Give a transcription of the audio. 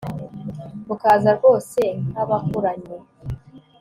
bukaza rwose nk'abakuranye